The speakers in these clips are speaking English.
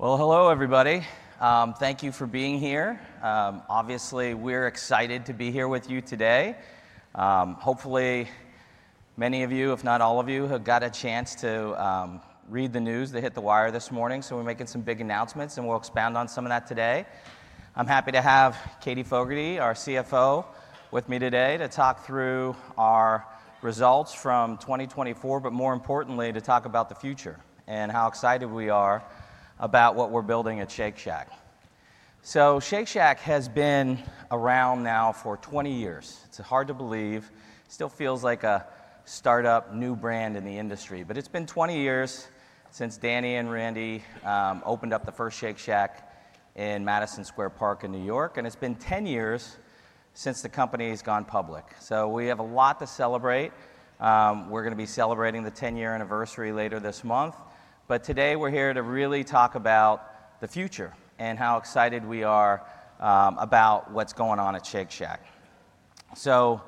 Hello, everybody. Thank you for being here. Obviously, we're excited to be here with you today. Hopefully, many of you, if not all of you, have got a chance to read the news that hit the wire this morning. We're making some big announcements, and we'll expand on some of that today. I'm happy to have Katherine Fogertey, our CFO, with me today to talk through our results from 2024, but more importantly, to talk about the future and how excited we are about what we're building at Shake Shack. Shake Shack has been around now for 20 years. It's hard to believe. It still feels like a startup, new brand in the industry. It's been 20 years since Danny and Randy opened up the first Shake Shack in Madison Square Park in New York. It's been 10 years since the company has gone public. So we have a lot to celebrate. We're going to be celebrating the 10-year anniversary later this month. But today, we're here to really talk about the future and how excited we are about what's going on at Shake Shack. So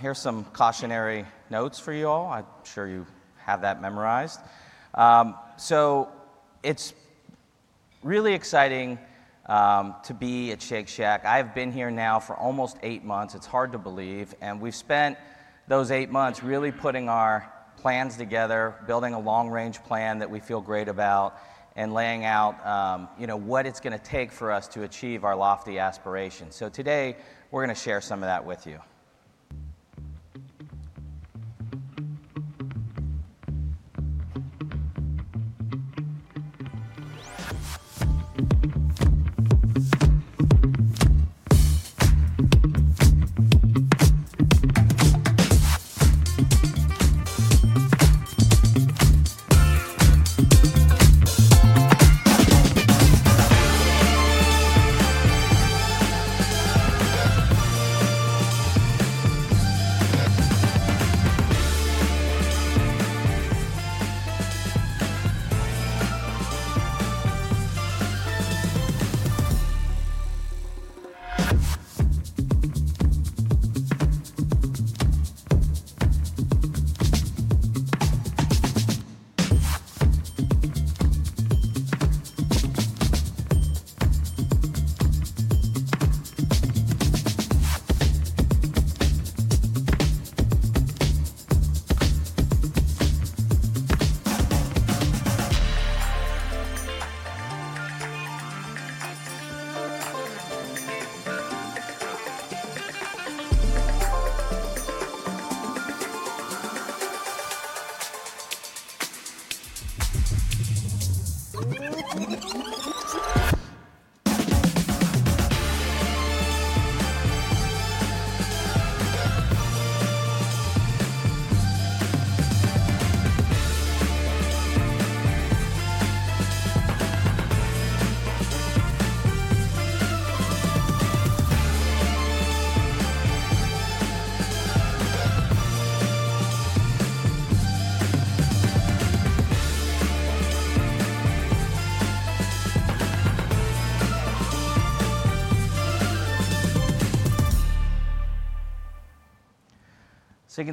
here's some cautionary notes for you all. I'm sure you have that memorized. So it's really exciting to be at Shake Shack. I have been here now for almost eight months. It's hard to believe. And we've spent those eight months really putting our plans together, building a long-range plan that we feel great about, and laying out what it's going to take for us to achieve our lofty aspirations. So today, we're going to share some of that with you.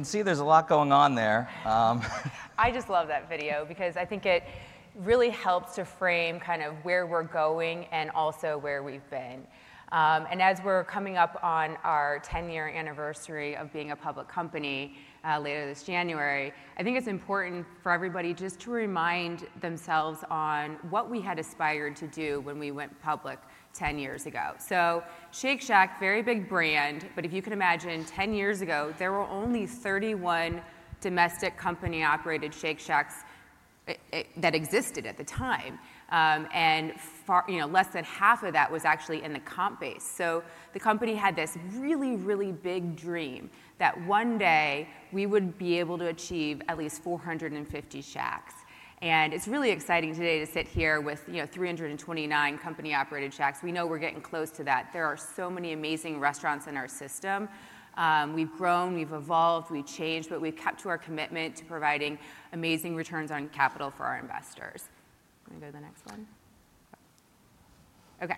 So you can see there's a lot going on there. I just love that video because I think it really helps to frame kind of where we're going and also where we've been, and as we're coming up on our 10-year anniversary of being a public company later this January, I think it's important for everybody just to remind themselves on what we had aspired to do when we went public 10 years ago, so Shake Shack, very big brand, but if you can imagine, 10 years ago, there were only 31 domestic company-operated Shake Shacks that existed at the time, and less than half of that was actually in the comp base, so the company had this really, really big dream that one day we would be able to achieve at least 450 Shacks, and it's really exciting today to sit here with 329 company-operated Shacks. We know we're getting close to that. There are so many amazing restaurants in our system. We've grown. We've evolved. We've changed. But we've kept to our commitment to providing amazing returns on capital for our investors. Can I go to the next one? OK.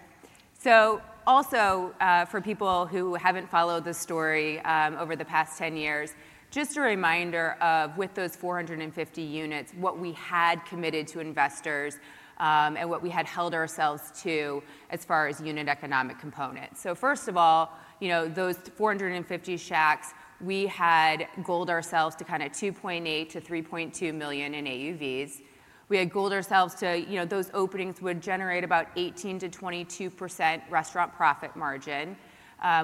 So also, for people who haven't followed the story over the past 10 years, just a reminder of, with those 450 units, what we had committed to investors and what we had held ourselves to as far as unit economic components. So first of all, those 450 Shacks, we had goaled ourselves to kind of 2.8 million-3.2 million in AUVs. We had goaled ourselves to those openings would generate about 18%-22% restaurant profit margin.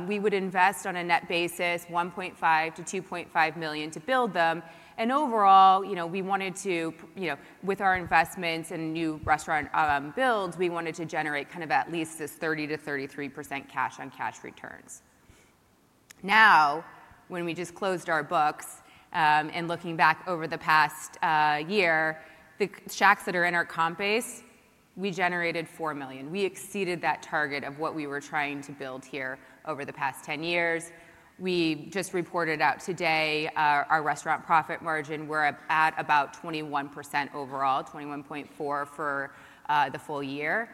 We would invest on a net basis $1.5 million-$2.5 million to build them. And overall, we wanted to, with our investments and new restaurant builds, we wanted to generate kind of at least this 30%-33% cash-on-cash returns. Now, when we just closed our books and looking back over the past year, the Shacks that are in our comp base, we generated $4 million. We exceeded that target of what we were trying to build here over the past 10 years. We just reported out today our restaurant profit margin. We're at about 21% overall, 21.4% for the full year.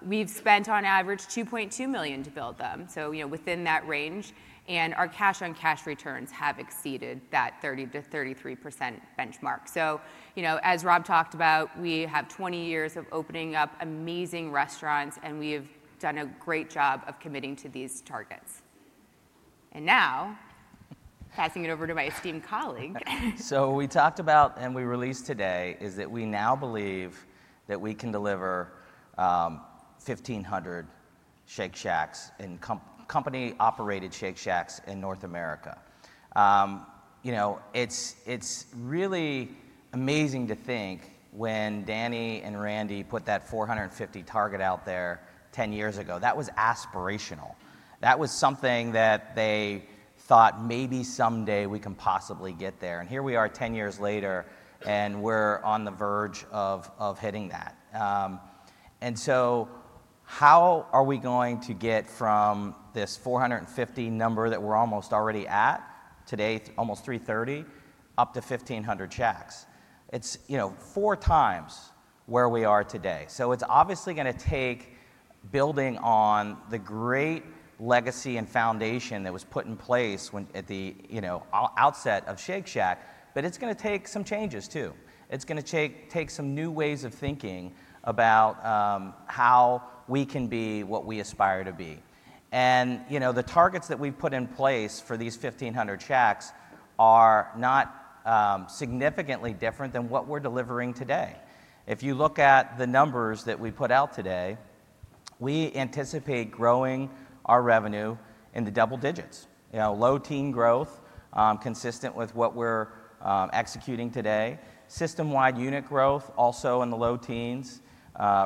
We've spent on average $2.2 million to build them, so within that range. And our cash-on-cash returns have exceeded that 30%-33% benchmark. So as Rob talked about, we have 20 years of opening up amazing restaurants. And we have done a great job of committing to these targets. And now, passing it over to my esteemed colleague. So we talked about and we released today is that we now believe that we can deliver 1,500 Shake Shacks, company-operated Shake Shacks in North America. It's really amazing to think when Danny and Randy put that 450 target out there 10 years ago. That was aspirational. That was something that they thought maybe someday we can possibly get there. And here we are 10 years later. And we're on the verge of hitting that. And so how are we going to get from this 450 number that we're almost already at today, almost 330, up to 1,500 Shacks? It's four times where we are today. So it's obviously going to take building on the great legacy and foundation that was put in place at the outset of Shake Shack. But it's going to take some changes, too. It's going to take some new ways of thinking about how we can be what we aspire to be. And the targets that we've put in place for these 1,500 Shacks are not significantly different than what we're delivering today. If you look at the numbers that we put out today, we anticipate growing our revenue in the double digits, low teen growth consistent with what we're executing today, system-wide unit growth also in the low teens,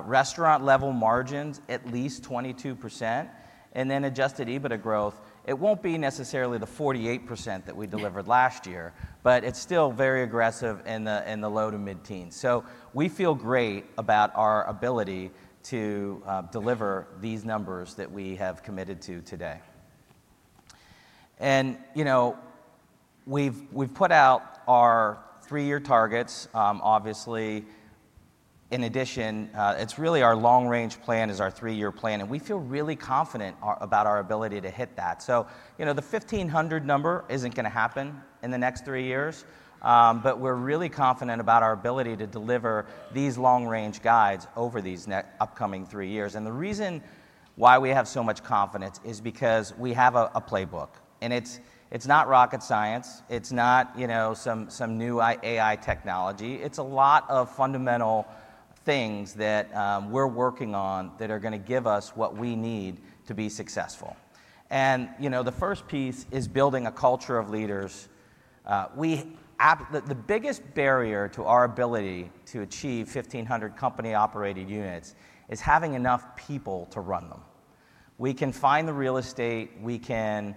restaurant-level margins at least 22%, and then Adjusted EBITDA growth. It won't be necessarily the 48% that we delivered last year. But it's still very aggressive in the low to mid-teens. So we feel great about our ability to deliver these numbers that we have committed to today. And we've put out our three-year targets, obviously. In addition, it's really our long-range plan is our three-year plan. We feel really confident about our ability to hit that. The 1,500 number isn't going to happen in the next three years. We're really confident about our ability to deliver these long-range guides over these upcoming three years. The reason why we have so much confidence is because we have a playbook. It's not rocket science. It's not some new AI technology. It's a lot of fundamental things that we're working on that are going to give us what we need to be successful. The first piece is building a culture of leaders. The biggest barrier to our ability to achieve 1,500 company-operated units is having enough people to run them. We can find the real estate. We can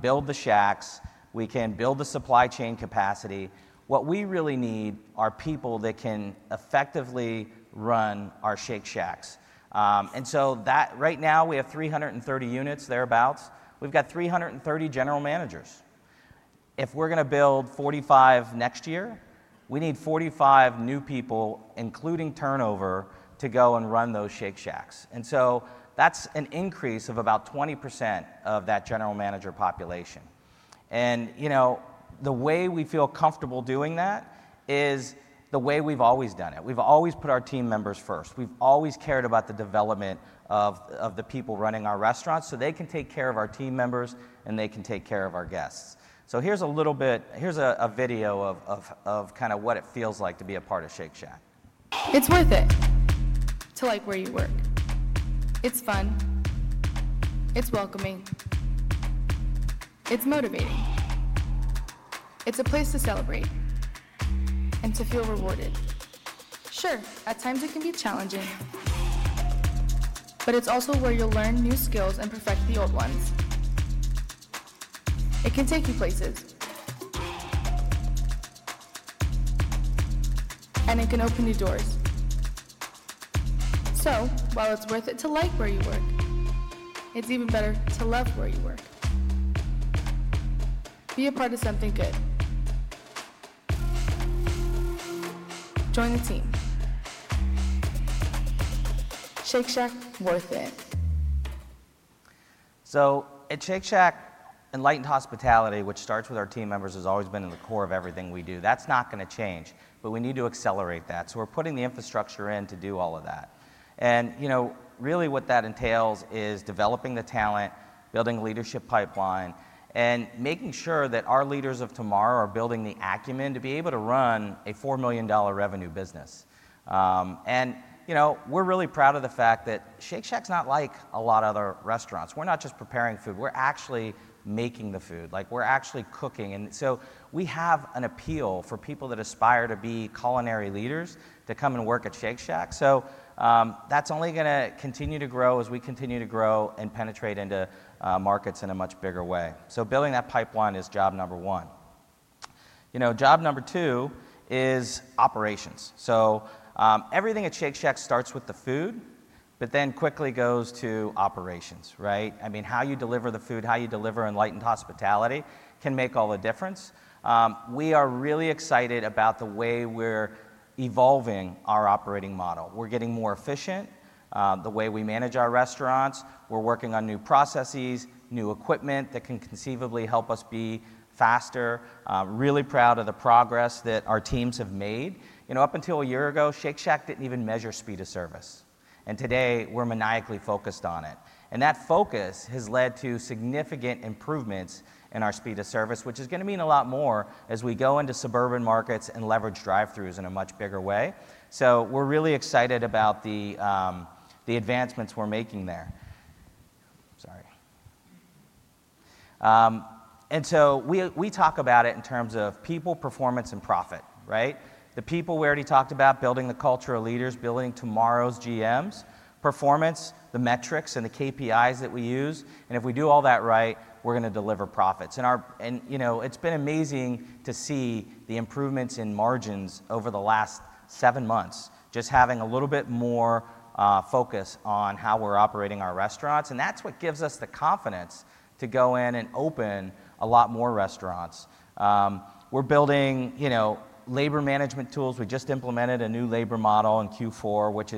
build the Shacks. We can build the supply chain capacity. What we really need are people that can effectively run our Shake Shacks. And so right now, we have 330 units thereabouts. We've got 330 general managers. If we're going to build 45 next year, we need 45 new people, including turnover, to go and run those Shake Shacks. And so that's an increase of about 20% of that general manager population. And the way we feel comfortable doing that is the way we've always done it. We've always put our team members first. We've always cared about the development of the people running our restaurants so they can take care of our team members, and they can take care of our guests. So here's a video of kind of what it feels like to be a part of Shake Shack. It's worth it to like where you work. It's fun. It's welcoming. It's motivating. It's a place to celebrate and to feel rewarded. Sure, at times it can be challenging. But it's also where you'll learn new skills and perfect the old ones. It can take you places. And it can open new doors. So while it's worth it to like where you work, it's even better to love where you work. Be a part of something good. Join the team. Shake Shack, worth it. So at Shake Shack, Enlightened Hospitality, which starts with our team members, has always been in the core of everything we do. That's not going to change. But we need to accelerate that. So we're putting the infrastructure in to do all of that. And really what that entails is developing the talent, building a leadership pipeline, and making sure that our leaders of tomorrow are building the acumen to be able to run a $4 million revenue business. And we're really proud of the fact that Shake Shack's not like a lot of other restaurants. We're not just preparing food. We're actually making the food. We're actually cooking. And so we have an appeal for people that aspire to be culinary leaders to come and work at Shake Shack. That's only going to continue to grow as we continue to grow and penetrate into markets in a much bigger way. Building that pipeline is job number one. Job number two is operations. Everything at Shake Shack starts with the food, but then quickly goes to operations. I mean, how you deliver the food, how you deliver Enlightened Hospitality can make all the difference. We are really excited about the way we're evolving our operating model. We're getting more efficient the way we manage our restaurants. We're working on new processes, new equipment that can conceivably help us be faster. Really proud of the progress that our teams have made. Up until a year ago, Shake Shack didn't even measure speed of service. Today, we're maniacally focused on it. And that focus has led to significant improvements in our speed of service, which is going to mean a lot more as we go into suburban markets and leverage drive-throughs in a much bigger way. So we're really excited about the advancements we're making there. Sorry. And so we talk about it in terms of people, performance, and profit. The people we already talked about, building the culture of leaders, building tomorrow's GMs, performance, the metrics and the KPIs that we use. And if we do all that right, we're going to deliver profits. And it's been amazing to see the improvements in margins over the last seven months, just having a little bit more focus on how we're operating our restaurants. And that's what gives us the confidence to go in and open a lot more restaurants. We're building labor management tools. We just implemented a new labor model in Q4, which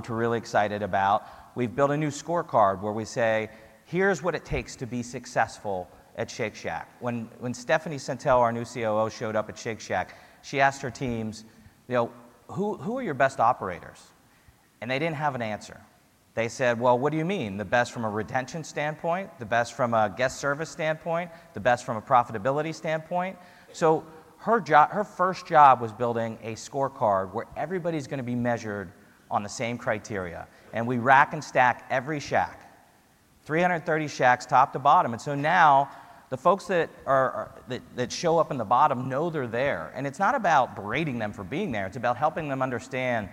we're really excited about. We've built a new scorecard where we say, here's what it takes to be successful at Shake Shack. When Stephanie Sentell, our new COO, showed up at Shake Shack, she asked her teams, who are your best operators? And they didn't have an answer. They said, well, what do you mean? The best from a retention standpoint? The best from a guest service standpoint? The best from a profitability standpoint? So her first job was building a scorecard where everybody's going to be measured on the same criteria. And we rack and stack every Shack, 330 Shacks top to bottom. And so now the folks that show up in the bottom know they're there. And it's not about berating them for being there. It's about helping them understand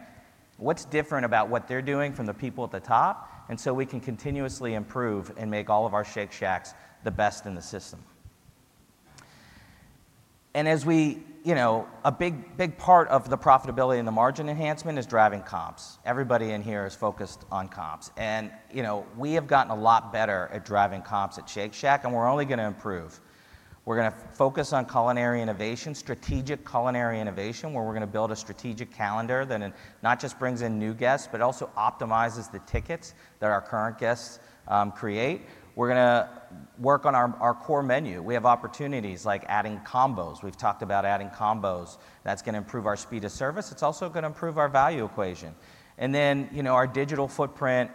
what's different about what they're doing from the people at the top, and so we can continuously improve and make all of our Shake Shacks the best in the system, and a big part of the profitability and the margin enhancement is driving comps. Everybody in here is focused on comps. And we have gotten a lot better at driving comps at Shake Shack, and we're only going to improve. We're going to focus on culinary innovation, strategic culinary innovation, where we're going to build a strategic calendar that not just brings in new guests, but also optimizes the tickets that our current guests create. We're going to work on our core menu. We have opportunities like adding combos. We've talked about adding combos. That's going to improve our speed of service. It's also going to improve our value equation. And then our digital footprint,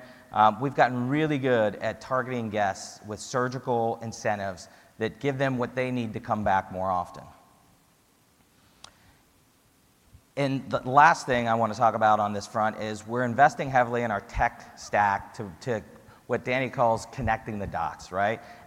we've gotten really good at targeting guests with surgical incentives that give them what they need to come back more often. And the last thing I want to talk about on this front is we're investing heavily in our tech stack to what Danny calls connecting the dots.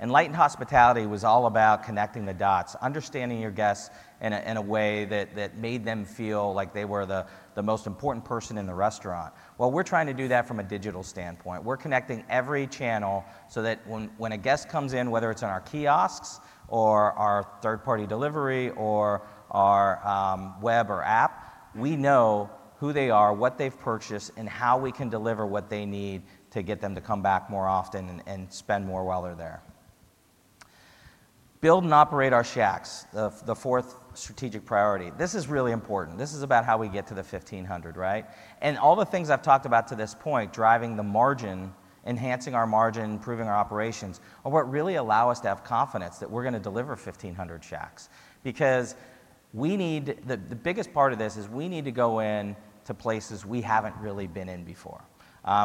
Enlightened Hospitality was all about connecting the dots, understanding your guests in a way that made them feel like they were the most important person in the restaurant. Well, we're trying to do that from a digital standpoint. We're connecting every channel so that when a guest comes in, whether it's in our kiosks or our third-party delivery or our web or app, we know who they are, what they've purchased, and how we can deliver what they need to get them to come back more often and spend more while they're there. Build & Operate our Shacks, the fourth strategic priority. This is really important. This is about how we get to the 1,500, and all the things I've talked about to this point, driving the margin, enhancing our margin, improving our operations, are what really allow us to have confidence that we're going to deliver 1,500 Shacks. Because the biggest part of this is we need to go in to places we haven't really been in before.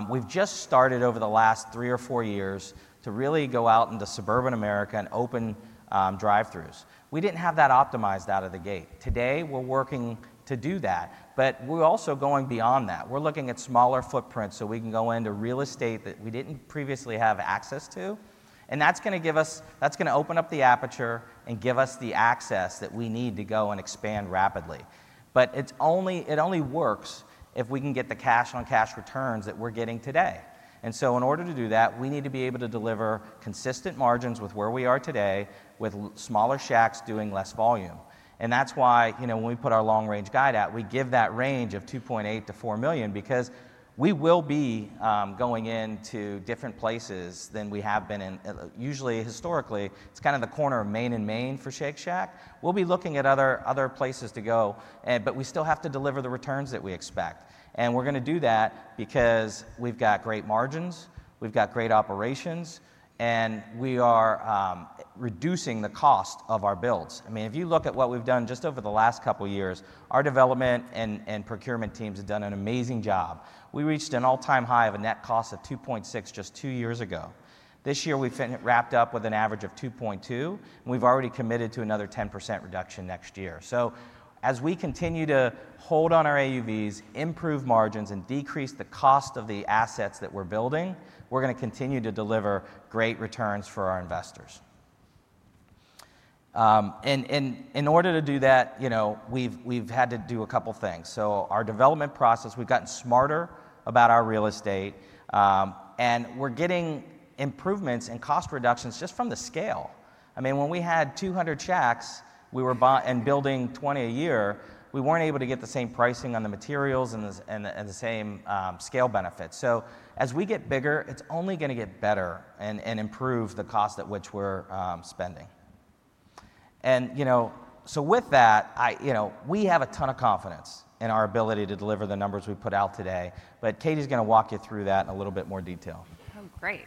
We've just started over the last three or four years to really go out into suburban America and open drive-throughs. We didn't have that optimized out of the gate. Today, we're working to do that, but we're also going beyond that. We're looking at smaller footprints so we can go into real estate that we didn't previously have access to and that's going to open up the aperture and give us the access that we need to go and expand rapidly. But it only works if we can get the cash-on-cash returns that we're getting today. And so in order to do that, we need to be able to deliver consistent margins with where we are today, with smaller Shacks doing less volume. And that's why when we put our long-range guide out, we give that range of $2.8 million-$4 million because we will be going into different places than we have been in. Usually, historically, it's kind of the corner of Main and Main for Shake Shack. We'll be looking at other places to go. But we still have to deliver the returns that we expect. And we're going to do that because we've got great margins. We've got great operations. And we are reducing the cost of our builds. I mean, if you look at what we've done just over the last couple of years, our development and procurement teams have done an amazing job. We reached an all-time high of a net cost of 2.6 just two years ago. This year, we've wrapped up with an average of 2.2. And we've already committed to another 10% reduction next year. So as we continue to hold on our AUVs, improve margins, and decrease the cost of the assets that we're building, we're going to continue to deliver great returns for our investors. In order to do that, we've had to do a couple of things. So our development process, we've gotten smarter about our real estate. And we're getting improvements and cost reductions just from the scale. I mean, when we had 200 Shacks and building 20 a year, we weren't able to get the same pricing on the materials and the same scale benefits. So as we get bigger, it's only going to get better and improve the cost at which we're spending. And so with that, we have a ton of confidence in our ability to deliver the numbers we put out today. But Katie's going to walk you through that in a little bit more detail. Oh, great.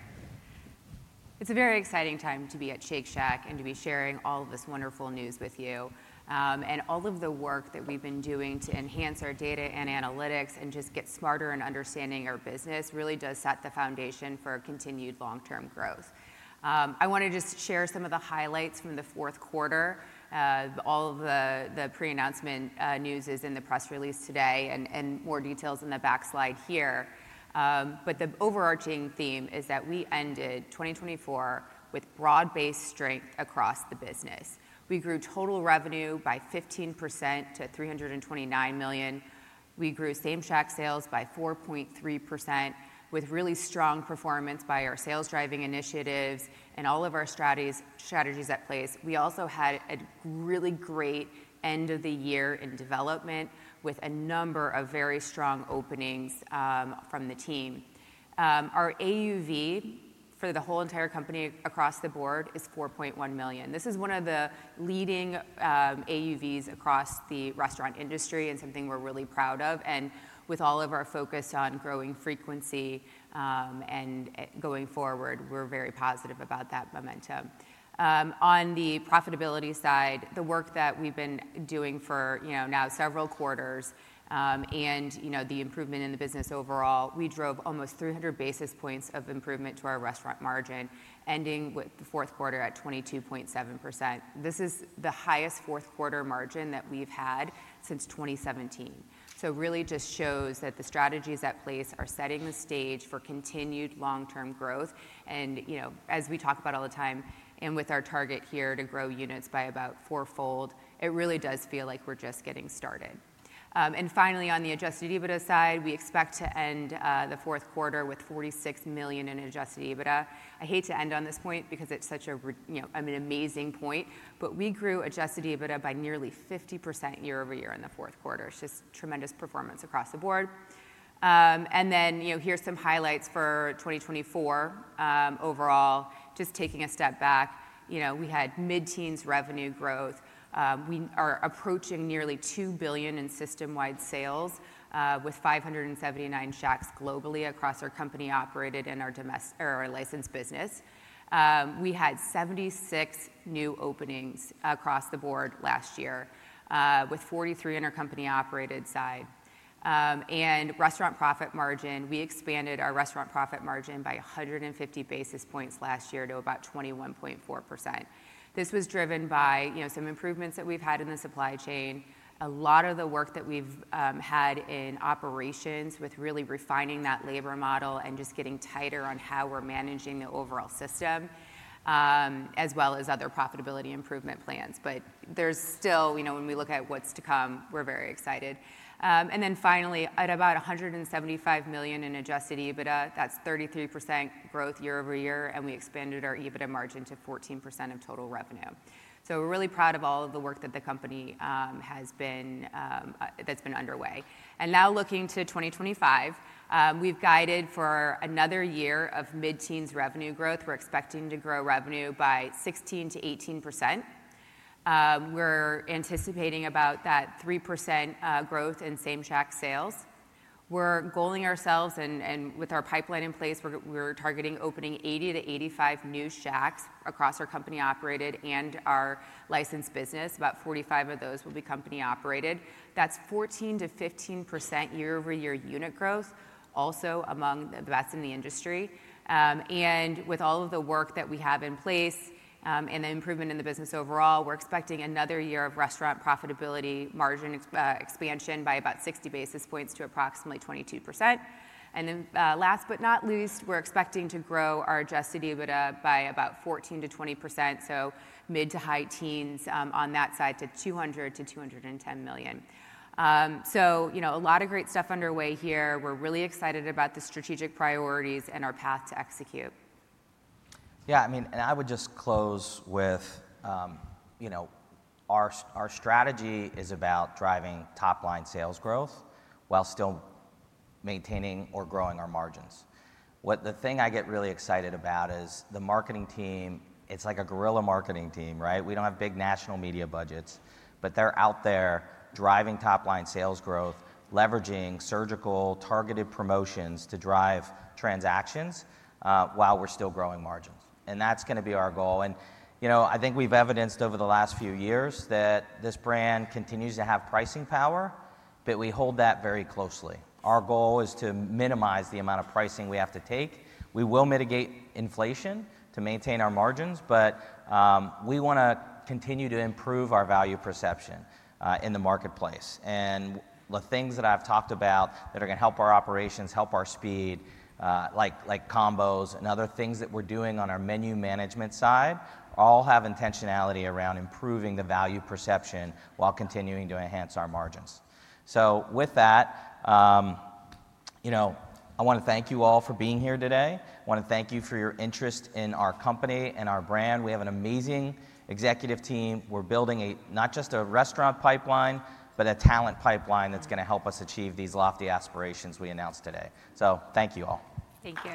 It's a very exciting time to be at Shake Shack and to be sharing all of this wonderful news with you. And all of the work that we've been doing to enhance our data and analytics and just get smarter in understanding our business really does set the foundation for continued long-term growth. I want to just share some of the highlights from the fourth quarter. All of the pre-announcement news is in the press release today and more details in the back slides here. But the overarching theme is that we ended 2024 with broad-based strength across the business. We grew total revenue by 15% to $329 million. We grew Same-Shack sales by 4.3% with really strong performance by our sales-driving initiatives and all of our strategies in place. We also had a really great end of the year in development with a number of very strong openings from the team. Our AUV for the whole entire company across the board is $4.1 million. This is one of the leading AUVs across the restaurant industry and something we're really proud of, and with all of our focus on growing frequency and going forward, we're very positive about that momentum. On the profitability side, the work that we've been doing for now several quarters and the improvement in the business overall, we drove almost 300 basis points of improvement to our restaurant margin, ending with the fourth quarter at 22.7%. This is the highest fourth quarter margin that we've had since 2017, so it really just shows that the strategies at place are setting the stage for continued long-term growth. And as we talk about all the time, and with our target here to grow units by about four-fold, it really does feel like we're just getting started. And finally, on the Adjusted EBITDA side, we expect to end the fourth quarter with $46 million in Adjusted EBITDA. I hate to end on this point because it's such an amazing point. But we grew Adjusted EBITDA by nearly 50% year-over-year in the fourth quarter. It's just tremendous performance across the board. And then here's some highlights for 2024 overall, just taking a step back. We had mid-teens revenue growth. We are approaching nearly $2 billion in system-wide sales with 579 Shacks globally across our company-operated and our licensed business. We had 76 new openings across the board last year with 43 on our company-operated side. Restaurant profit margin, we expanded our restaurant profit margin by 150 basis points last year to about 21.4%. This was driven by some improvements that we've had in the supply chain, a lot of the work that we've had in operations with really refining that labor model and just getting tighter on how we're managing the overall system, as well as other profitability improvement plans. There's still, when we look at what's to come, we're very excited. Then finally, at about $175 million in Adjusted EBITDA, that's 33% growth year-over-year. We expanded our EBITDA margin to 14% of total revenue. We're really proud of all of the work that the company has been underway. Now looking to 2025, we've guided for another year of mid-teens revenue growth. We're expecting to grow revenue by 16%-18%. We're anticipating about that 3% growth in Same-Shack sales. We're goaling ourselves, and with our pipeline in place, we're targeting opening 80 to 85 new Shacks across our company-operated and our licensed business. About 45 of those will be company-operated. That's 14%-15% year-over-year unit growth, also among the best in the industry. And with all of the work that we have in place and the improvement in the business overall, we're expecting another year of restaurant profitability margin expansion by about 60 basis points to approximately 22%. And then last but not least, we're expecting to grow our Adjusted EBITDA by about 14%-20%. So mid to high teens on that side to $200 million-$210 million. So a lot of great stuff underway here. We're really excited about the strategic priorities and our path to execute. Yeah. I mean, and I would just close with our strategy is about driving top-line sales growth while still maintaining or growing our margins. The thing I get really excited about is the marketing team. It's like a guerrilla marketing team, right? We don't have big national media budgets, but they're out there driving top-line sales growth, leveraging surgical targeted promotions to drive transactions while we're still growing margins. And that's going to be our goal. And I think we've evidenced over the last few years that this brand continues to have pricing power, but we hold that very closely. Our goal is to minimize the amount of pricing we have to take. We will mitigate inflation to maintain our margins, but we want to continue to improve our value perception in the marketplace. And the things that I've talked about that are going to help our operations, help our speed, like combos and other things that we're doing on our menu management side, all have intentionality around improving the value perception while continuing to enhance our margins. So with that, I want to thank you all for being here today. I want to thank you for your interest in our company and our brand. We have an amazing executive team. We're building not just a restaurant pipeline, but a talent pipeline that's going to help us achieve these lofty aspirations we announced today. So thank you all. Thank you.